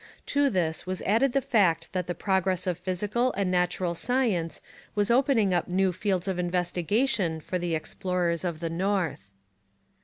To this was added the fact that the progress of physical and natural science was opening up new fields of investigation for the explorers of the north.